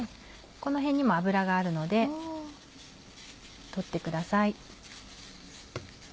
この辺にも脂があるので取ってください。